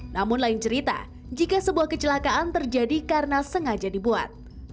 namun lain cerita jika sebuah kecelakaan terjadi karena sengaja dibuat